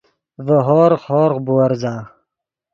ڤے ہورغ، ہورغ بُورزا